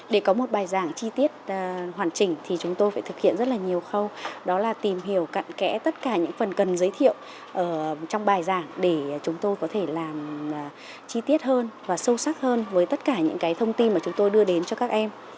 để có một bài giảng chi tiết hoàn chỉnh thì chúng tôi phải thực hiện rất là nhiều khâu đó là tìm hiểu cận kẽ tất cả những phần cần giới thiệu trong bài giảng để chúng tôi có thể làm chi tiết hơn và sâu sắc hơn với tất cả những thông tin mà chúng tôi đưa đến cho các em